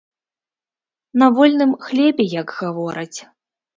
На вольным хлебе, як гавораць.